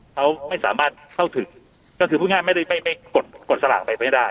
เขาไม่สามารถเข้าถึงก็คือพูดง่ายไม่ได้ไม่กดสลากไปไม่ได้